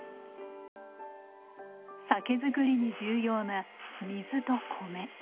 酒造りに重要な水と米。